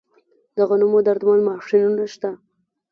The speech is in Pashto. د غنمو درمند ماشینونه شته